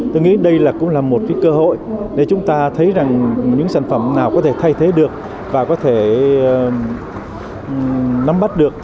tôi nghĩ đây cũng là một cơ hội để chúng ta thấy rằng những sản phẩm nào có thể thay thế được và có thể nắm bắt được